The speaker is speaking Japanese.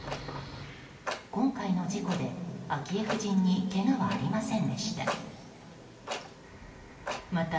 今回の事故で昭恵夫人にけがはありませんでした。